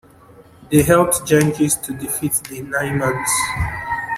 They helped Genghis to defeat the Naimans.